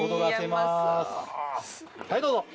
はいどうぞ。